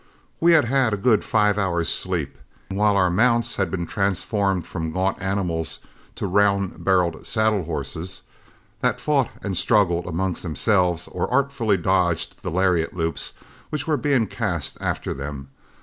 We had had a good five hours' sleep, while our mounts had been transformed from gaunt animals to round barreled saddle horses, that fought and struggled amongst themselves or artfully dodged the lariat loops which were being cast after them.